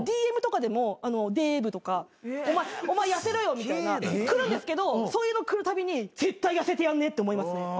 ＤＭとかでも「デーブ」とか「お前痩せろよ」みたいな来るんですけどそういうの来るたびに絶対痩せてやんねぇって思いますね。